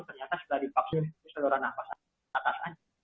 ternyata sudah dipaksa seluruh nafas atas saja